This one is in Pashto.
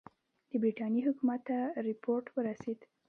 د برټانیې حکومت ته رپوټ ورسېد.